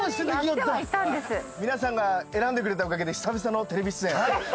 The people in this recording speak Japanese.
皆さんが選んでくれたおかげで久々のテレビ出演！